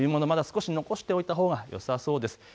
まだ少し残しておいたほうがよさそうです。